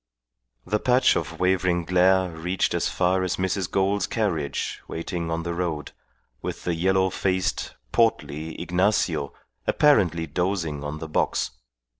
The patch of wavering glare reached as far as Mrs. Gould's carriage waiting on the road, with the yellow faced, portly Ignacio apparently dozing on the box.